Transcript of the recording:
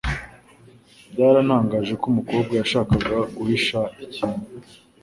Byarantangaje ko umukobwa yashakaga guhisha ikintu